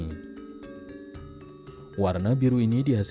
warna biru ini dihasilkan dari pewarna yang berbeda dari warna batik lainnya